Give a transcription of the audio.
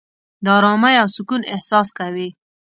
د آرامۍ او سکون احساس کوې.